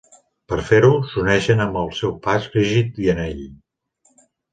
Per fer-ho, s'uneixen amb el seu pas rígid i anell.